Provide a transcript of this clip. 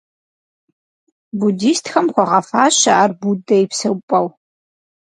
Буддистхэм хуагъэфащэ ар Буддэ и псэупӀэу.